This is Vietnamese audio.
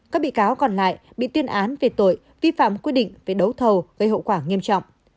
các bị cáo còn lại bị tuyên án về tội vi phạm quy định về đấu thầu gây hậu quả nghiêm trọng